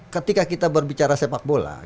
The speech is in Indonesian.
ketika kita berbicara sepak bola